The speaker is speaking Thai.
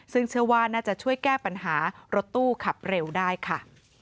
ซึ่งเชื่อว่าน่าจะช่วยแก้ปัญหารถตู้ขับเร็วได้ค่ะ